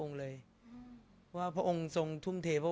สงฆาตเจริญสงฆาตเจริญ